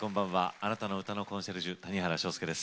あなたの歌のコンシェルジュ谷原章介です。